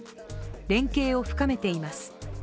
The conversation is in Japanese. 連携を深めています。